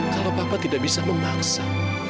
kalau papa tidak bisa memaksa